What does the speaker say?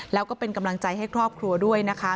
แล้วก็เป็นกำลังใจให้ครอบครัวด้วยนะคะ